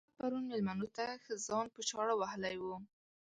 احمد پرون مېلمنو ته ښه ځان په چاړه وهلی وو.